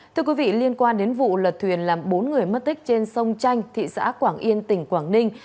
thưa quý vị liên quan đến vụ lật thuyền làm bốn người mất tích trên sông chanh thị xã quảng yên tỉnh quảng ninh